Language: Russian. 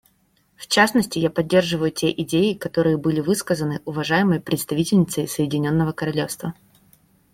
В частности, я поддерживаю те идеи, которые были высказаны уважаемой представительницей Соединенного Королевства.